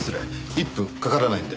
１分かからないので。